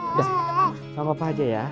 udah sama papa aja ya